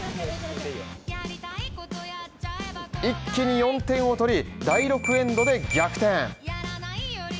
一気に４点を取り、第６エンドで逆転。